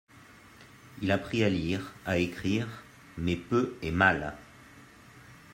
Il apprit à lire, à écrire, mais peu et mal.